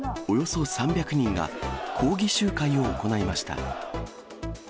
およそ３００人が、抗議集会を行いました。